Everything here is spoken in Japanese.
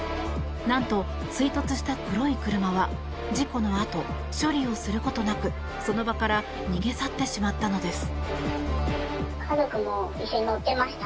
何と追突した黒い車は事故のあと、処理をすることなくその場から逃げ去ってしまったのです。